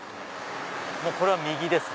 これは右ですね。